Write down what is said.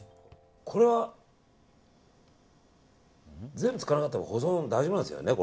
これは全部使わなかったら保存大丈夫なんですよね。